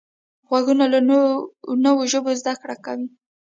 غوږونه له نوو ژبو زده کړه کوي